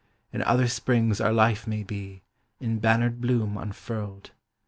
In other springs our life may be In bannered bloom unfurled.